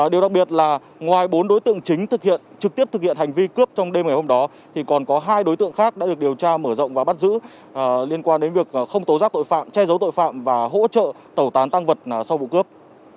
điều đặc biệt là ngoài bốn đối tượng chính thực hiện trực tiếp thực hiện hành vi cướp trong đêm ngày hôm đó còn có hai đối tượng khác đã được điều tra mở rộng và bắt giữ liên quan đến việc không tố giác tội phạm che giấu tội phạm và hỗ trợ tẩu tán tăng vật sau vụ cướp